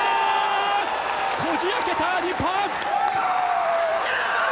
こじ開けた、日本！